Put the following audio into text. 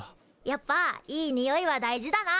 やっぱいいにおいは大事だな。